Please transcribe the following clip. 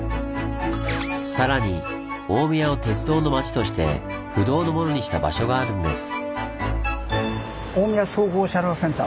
さらに大宮を鉄道の町として不動のものにした場所があるんです。